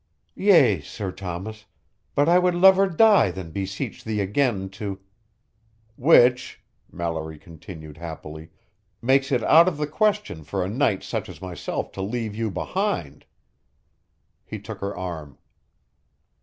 "Yea, Sir Thomas, but I would lever die than beseech thee again to " "Which," Mallory continued happily, "makes it out of the question for a knight such as myself to leave you behind." He took her arm.